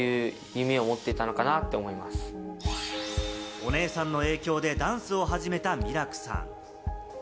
お姉さんの影響でダンスを始めたミラクさん。